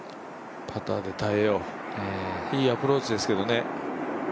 パターで耐えよう、いいアプローチですけどね。